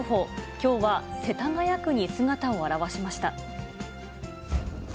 きょうは世田谷区に姿を現しました。